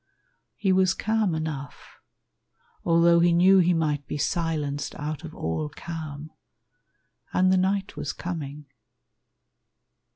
He was calm enough, Although he knew he might be silenced Out of all calm; and the night was coming.